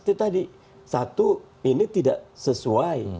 itu tadi satu ini tidak sesuai